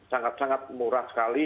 sangat sangat murah sekali